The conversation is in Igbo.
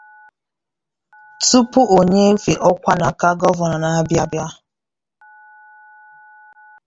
tupu o nyefee ọkwa n'aka Gọvanọ na-abịa abịa